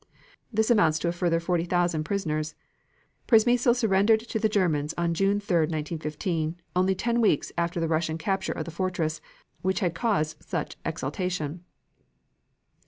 This amounts to a further 40,000 prisoners. Przemysl surrendered to the German's on June 3, 1915, only ten weeks after the Russian capture of the fortress, which had caused such exultation."